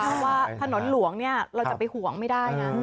แล้วพนตร์หลวงเนี่ยเราก็ไปห่วงไม่ได้